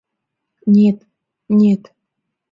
— Нет, нет...